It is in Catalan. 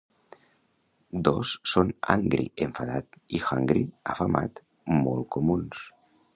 Dos són "angry" —enfadat— i "hungry" —afamat—, molt comuns.